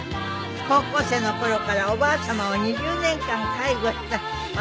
高校生の頃からおばあ様を２０年間介護した松村さん。